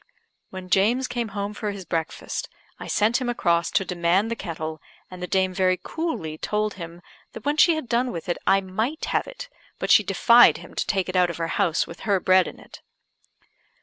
When James came home for his breakfast, I sent him across to demand the kettle, and the dame very coolly told him that when she had done with it I might have it, but she defied him to take it out of her house with her bread in it.